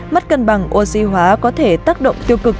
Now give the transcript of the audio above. mất cân bằng oxy hóa có thể tác động tiêu cực